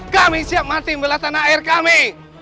kami siap mati di belah tanah air kami